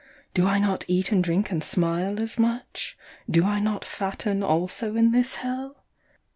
Do I not eat and drink and smile as much ? Do I not fatten also in this hell